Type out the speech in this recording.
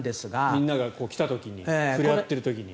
みんなが来た時に触れ合っている時に。